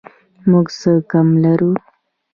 موږ څه کم لرو؟